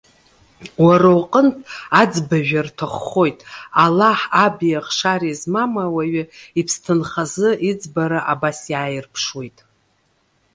Уара уҟынтә аӡбажәа рҭаххоит. Аллаҳ, аби ахшареи змам ауаҩы иԥсҭынхазы иӡбара абас иааирԥшуеит.